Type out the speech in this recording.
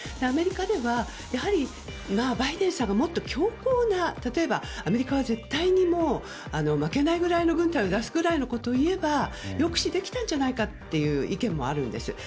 アメリカでは、やはりバイデンさんがもっと強硬な例えば、アメリカは絶対に負けないぐらいの軍隊を出すようなことを言えば抑止できたんじゃないかという意見もあるんです。